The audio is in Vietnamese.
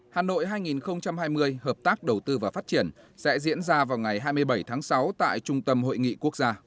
hà nội hai nghìn hai mươi hợp tác đầu tư và phát triển sẽ diễn ra vào ngày hai mươi bảy tháng sáu tại trung tâm hội nghị quốc gia